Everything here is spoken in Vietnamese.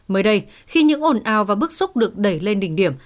mới đây khi những ồn ào và bức xúc được đẩy lên đỉnh điểm